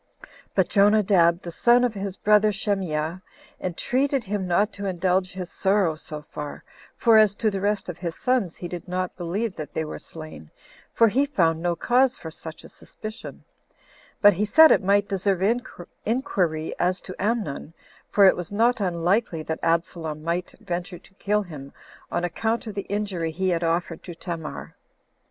But Jonadab, the son of his brother Shemeah, entreated him not to indulge his sorrow so far, for as to the rest of his sons he did not believe that they were slain, for he found no cause for such a suspicion; but he said it might deserve inquiry as to Amnon, for it was not unlikely that Absalom might venture to kill him on account of the injury he had offered to Tamar.